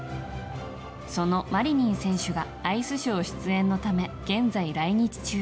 そのマリニン選手がアイスショー出演のため現在、来日中。